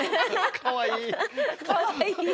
かわいい。